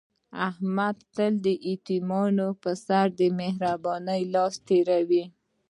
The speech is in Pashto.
احمد تل د یتیمانو په سر د مهر بانۍ لاس تېروي.